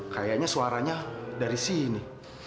kayaknya suaranya dari sini